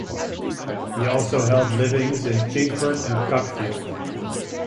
He also held livings in Chingford and Cuckfield.